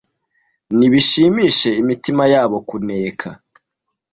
nibishimishe imitima yabo kuneka